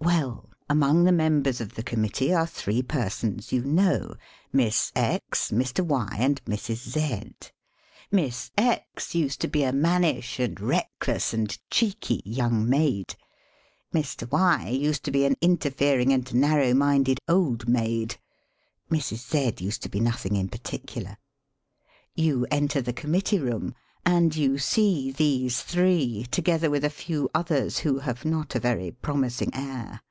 Well, among the members of the Committee are three persons you know— Miss X, Mr, Y, and Mrs. Z. Miss X used to be a man nish and reckless and cheeky young maid. Mr. Y used to be an interfering and narrow minded old maid. Mrs. Z used to be nothing in particular. You enter the Committee room, and you see these three, together with a few others who have not a very promising air.